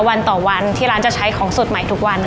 วันต่อวันที่ร้านจะใช้ของสดใหม่ทุกวัน